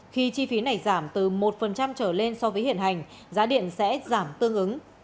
khi chi phí này giảm từ một trở lên so với hiện hành giá điện sẽ giảm tương ứng